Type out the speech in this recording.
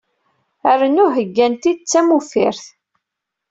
Rnu heggan-t-id d tamuffirt.